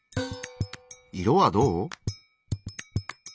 色はどう？